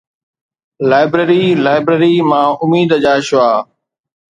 library library مان اميد جا شعاع